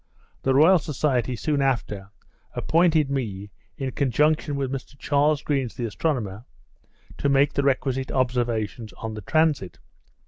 The Royal Society, soon after, appointed me, in conjunction with Mr Charles Green the astronomer, to make the requisite observations on the transit.